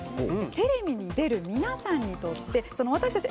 テレビに出る皆さんにとって私たち